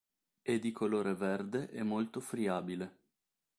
È di colore verde e molto friabile.